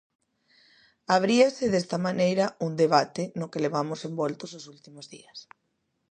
Abríase, desta maneira, un debate no que levamos envoltos os últimos días.